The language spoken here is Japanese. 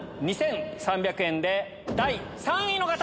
２万２３００円で第３位の方！